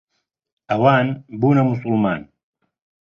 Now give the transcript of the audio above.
ئەوان بوونە موسڵمان.